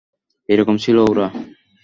এরকমই ছিল ওরা।